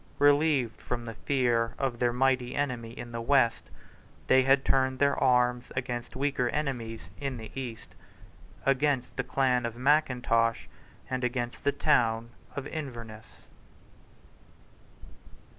Relieved from the fear of their mighty enemy in the West, they had turned their arms against weaker enemies in the East, against the clan of Mackintosh and against the town of Inverness.